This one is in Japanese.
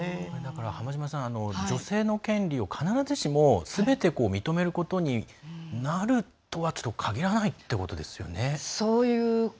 浜島さん、女性の権利を必ずしもすべて認めることになるとはかぎらないってことですよね。